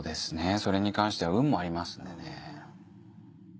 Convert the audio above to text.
それに関しては運もありますんでね。